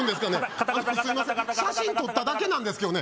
カタカタカタ写真撮っただけなんですけどね